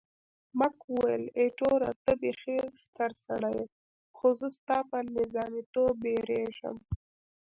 مک وویل، ایټوره ته بیخي ستر سړی یې، خو زه ستا پر نظامیتوب بیریږم.